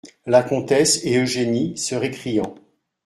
La Comtesse et Eugénie , se récriant.